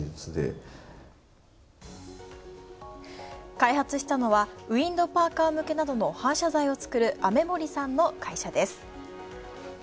開発したのはウインドパーカー向けなどの反射材を作る雨森さんの会社です